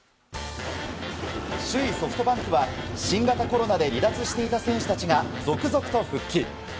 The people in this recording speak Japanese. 首位ソフトバンクは新型コロナで離脱していた選手たちが続々と復帰。